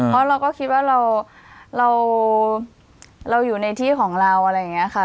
เพราะเราก็คิดว่าเราอยู่ในที่ของเราอะไรอย่างนี้ค่ะ